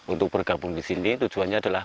untuk bergabung di sini tujuannya adalah